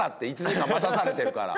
１時間待たされてるから。